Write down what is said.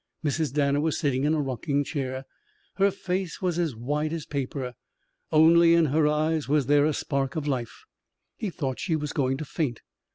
Mrs. Danner was sitting in a rocking chair. Her face was as white as paper. Only in her eyes was there a spark of life. He thought she was going to faint.